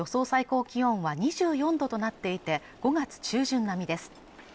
最高気温は２４度となっていて５月中旬並みです